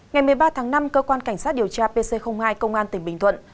ngày một mươi ba tháng năm cơ quan cảnh sát điều tra pc hai công an tỉnh bình thuận